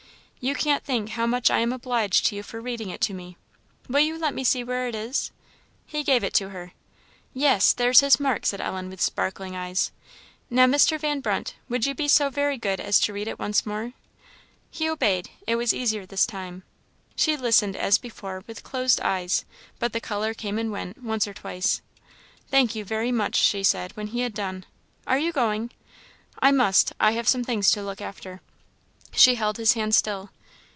You can't think how much I am obliged to you for reading it to me. Will you let me see where it is?" He gave it her. "Yes, there's his mark!" said Ellen, with sparkling eyes. "Now, Mr. Van Brunt, would you be so very good as to read it once more?" He obeyed. It was easier this time. She listened, as before, with closed eyes, but the colour came and went, once or twice. "Thank you, very much," she said, when he had done. "Are you going?" "I must; I have some things to look after." She held his hand still.